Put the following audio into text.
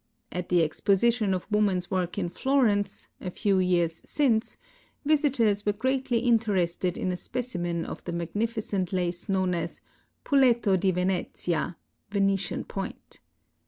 At the exposition of woman's work in Florence, a few years since, visitors were greatly interested in a specimen of the magnificent lace known as " Puleto di Venezia" (Venetian Point).